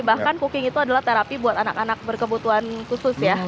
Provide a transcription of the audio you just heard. bahkan cooking itu adalah terapi buat anak anak berkebutuhan khusus ya